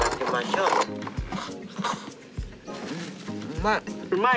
うまい。